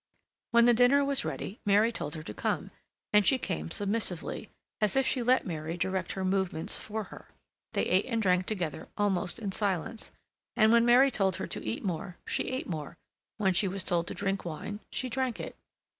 When the dinner was ready Mary told her to come, and she came submissively, as if she let Mary direct her movements for her. They ate and drank together almost in silence, and when Mary told her to eat more, she ate more; when she was told to drink wine, she drank it.